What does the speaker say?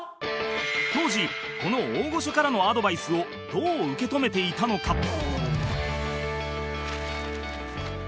当時この大御所からのアドバイスをどう受け止めていたのか？